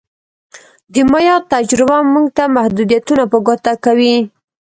د مایا تجربه موږ ته محدودیتونه په ګوته کوي